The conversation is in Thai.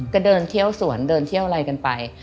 ก็เดินเที่ยวสวนเดินเที่ยวอะไรกันไป